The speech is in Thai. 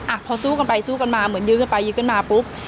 อ่ะพอสู้กันไปสู้กันมาเหมือนยื้อกันไปยื้อกันมาปุ๊บ